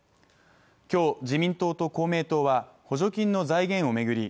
今日、自民党と公明党は補助金の財源を巡り